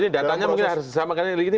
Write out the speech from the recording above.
ini datangnya mungkin harus sama kayak ini